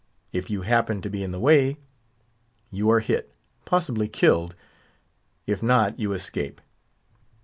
If you happen to be in the way, you are hit; possibly, killed; if not, you escape.